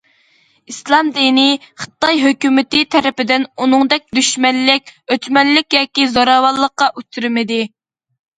ئىسلام دىنى خىتاي ھۆكۈمىتى تەرىپىدىن ئۇنىڭدەك دۈشمەنلىك، ئۆچمەنلىك ياكى زوراۋانلىققا ئۇچرىمىدى.